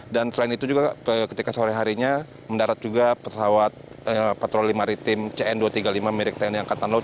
dan selain itu juga ketika sore harinya mendarat juga pesawat patroli maritim cn dua ratus tiga puluh lima merek tni angkatan laut